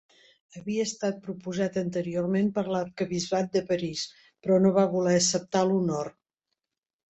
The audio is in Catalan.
Havia estat proposat anteriorment per a l'arquebisbat de París, però no va voler acceptar l'honor.